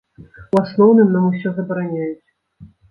У асноўным нам усё забараняюць.